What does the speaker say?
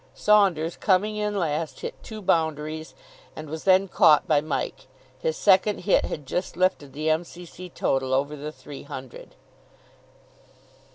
Saunders, coming in last, hit two boundaries, and was then caught by Mike. His second hit had just lifted the M.C.C. total over the three hundred.